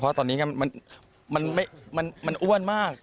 เพราะตอนนี้มันอ้วนมาก